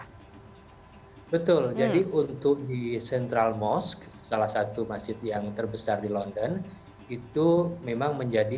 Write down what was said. hai betul jadi untuk di central mosque salah satu masjid yang terbesar di london itu memang menjadi